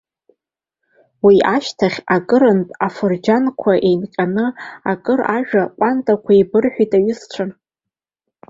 Уи ашьҭахь акырынтә афырџьанқәа еинҟьеит, акыр ажәа ҟәанда еибырҳәеит аиҩызцәа.